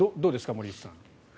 森内さん。